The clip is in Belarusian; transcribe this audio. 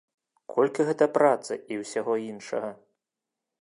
Колькі гэта працы і ўсяго іншага!